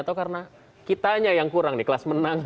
atau karena kitanya yang kurang di kelas menang